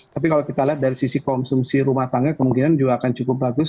tapi kalau kita lihat dari sisi konsumsi rumah tangga kemungkinan juga akan cukup bagus